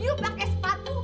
iu pakai sepatu